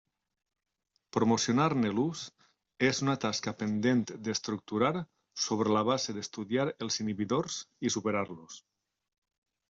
Promocionar-ne l'ús és una tasca pendent d'estructurar sobre la base d'estudiar els inhibidors i superar-los.